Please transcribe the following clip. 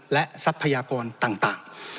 และทรัพยากรต่าง